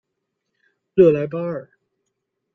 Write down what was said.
热莱巴尔。